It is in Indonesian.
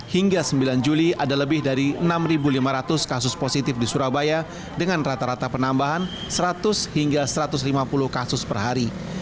hingga sembilan juli ada lebih dari enam lima ratus kasus positif di surabaya dengan rata rata penambahan seratus hingga satu ratus lima puluh kasus per hari